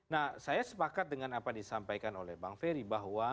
nah saya sepakat dengan apa disampaikan oleh bang ferry bahwa